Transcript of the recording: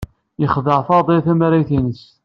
Yexdeɛ Faḍil tamarayt-nnes.